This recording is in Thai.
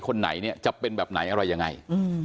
คนไหนเนี่ยจะเป็นแบบไหนอะไรยังไง